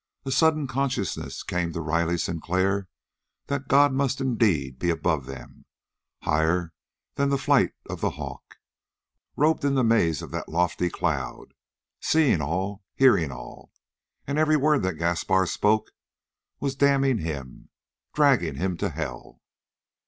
A sudden consciousness came to Riley Sinclair that God must indeed be above them, higher than the flight of the hawk, robed in the maze of that lofty cloud, seeing all, hearing all. And every word that Gaspar spoke was damning him, dragging him to hell.